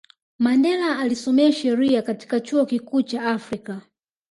mandela alisomea sheria katika chuo kikuu cha afrika